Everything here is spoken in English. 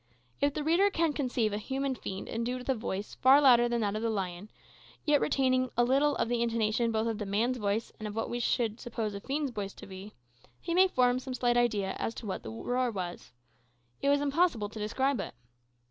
If the reader can conceive a human fiend endued with a voice far louder than that of the lion, yet retaining a little of the intonation both of the man's voice and of what we should suppose a fiend's voice to be, he may form some slight idea of what that roar was. It is impossible to describe it.